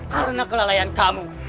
karena kelalaian kamu